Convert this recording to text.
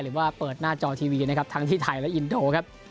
หรือว่าเปิดหน้าจอทีวีนะครับทั้งที่ไทยและอินโดครับ